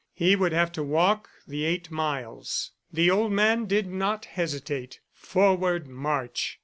He would have to walk the eight miles. The old man did not hesitate. Forward March!